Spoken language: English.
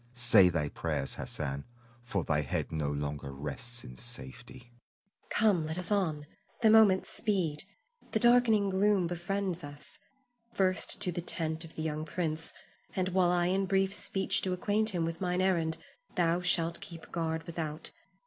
Say thy prayers, Hassan, for thy head no longer rests in safety. Zuleika. Come, let us on! The moments speed. The darkening gloom befriends us. First to the tent of the young prince, and while I in brief speech do acquaint him with mine errand, thou shalt keep guard without.